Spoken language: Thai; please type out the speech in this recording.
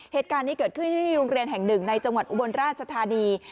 เหตุการณ์นี้เกิดขึ้นที่โรงเรียนแห่งหนึ่งในจังหวัดอุบลราชธานี